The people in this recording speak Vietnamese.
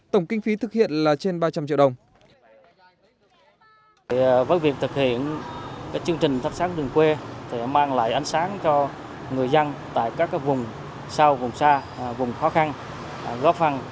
tổng kinh phí thực hiện là trên ba trăm linh triệu đồng